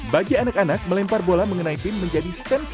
bagi anak anak melempar bola mengenai pin menjadi suatu keuntungan